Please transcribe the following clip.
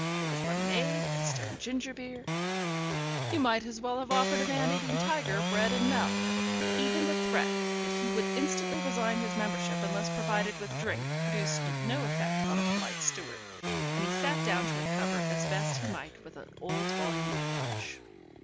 There was lemonade and stone ginger beer. ... You might as well have offered a man eating tiger bread and milk. Even the threat that he would instantly resign his membership unless provided with drink produced no effect on a polite steward, and he sat down to recover as best he might with an old volume of Punch.